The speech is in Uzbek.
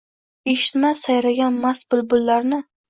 Eshitmas sayragan mast bulbullarni